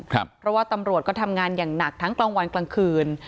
เพราะว่าตำรวจก็ทำงานอย่างหนักทั้งกลางวันกลางคืน